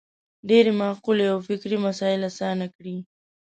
ډېرې مقولې او فکري مسایل اسانه کړي.